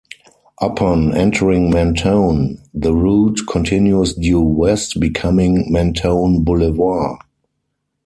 Upon entering Mentone, the route continues due west, becoming Mentone Boulevard.